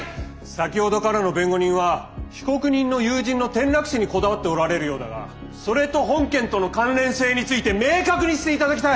先ほどからの弁護人は被告人の友人の転落死にこだわっておられるようだがそれと本件との関連性について明確にしていただきたい。